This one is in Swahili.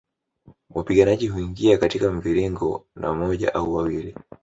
Wapiganaji huingia katika mviringo na moja au wawili